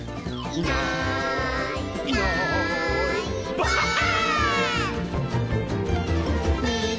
「いないいないばあっ！」